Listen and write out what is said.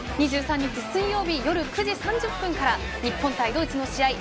２３日水曜日、夜９時３０分から日本対ドイツの試合。